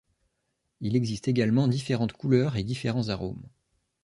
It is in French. Il existe également différentes couleurs et différents arômes.